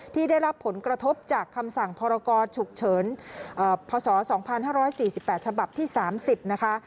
ที่ได้รับผลกระทบจากคำสั่งพรกรฉุกเฉินพศ๒๕๔๘ฉบับที่๓๐นะคะ